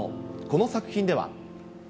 この作品では。